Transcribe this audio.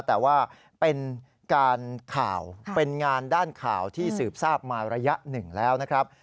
แต่ว่าเป็นการข่าวเป็นงานด้านข่าวที่สืบทราบมาระยะหนึ่งแล้วนะครับ